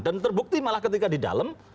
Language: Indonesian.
dan terbukti malah ketika di dalam